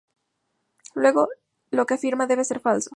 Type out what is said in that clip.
Luego, lo que afirma debe ser falso.